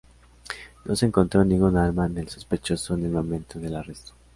No se encontró ningún arma en el sospechoso en el momento del arresto.